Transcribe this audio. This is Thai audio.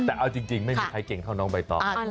แต่เอาจริงไม่มีใครเก่งเท่าน้องใบตอง